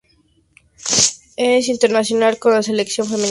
Es internacional con la selección femenina de baloncesto de Australia.